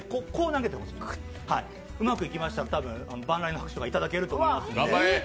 うまくいきましたらたぶん、万雷の拍手がいただけると思います。